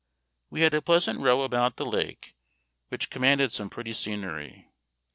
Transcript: We had a pleasant row about the lake, which commanded some pretty scenery.